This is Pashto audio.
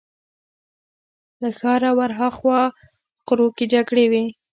له ښاره ورهاخوا غرو کې جګړې وې.